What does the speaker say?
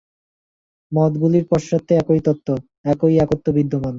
মতগুলির পশ্চাতে একই তত্ত্ব, একই একত্ব বিদ্যমান।